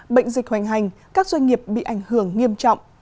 bệnh dịch hoành hành các doanh nghiệp bị ảnh hưởng nghiêm trọng